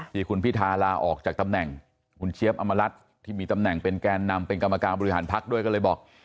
ที่คุณพิทาลาออกจากตำแหน่งคุณเจี๊ยบอมรัฐที่มีตำแหน่งเป็นแกนนำเป็นกรรมการบริหารพักด้วยก็เลยบอก